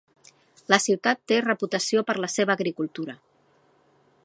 La ciutat té reputació per la seva agricultura.